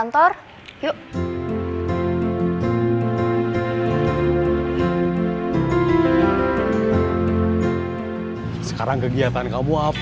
pengantin saya kalau dihiving saya lihat dia gambar gambar